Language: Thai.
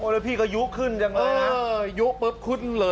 แล้วพี่ก็ยุขึ้นอย่างไรนะ